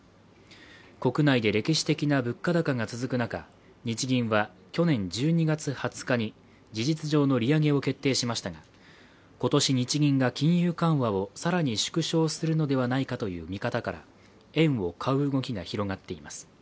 国内で歴史的な物価高が続く中、日銀は去年１２月２０日に事実上の利上げを決定しましたが、今年日銀が金融緩和をさらに縮小するのではないかという見方から円を買う動きが広がっています。